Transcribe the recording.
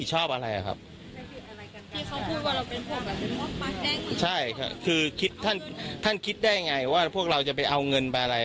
ใช่ค่ะคือคิดท่านคิดได้ไงว่าพวกเราจะไปเอาเงินไปอะไร